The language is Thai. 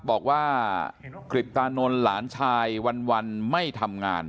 บอกว่ากริบตานนท์หลานชายวันไม่ทำงาน